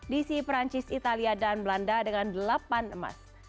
dc perancis italia dan belanda dengan delapan emas